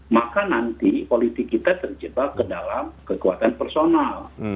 maka nanti politik kita terjebak ke dalam kekuatan personal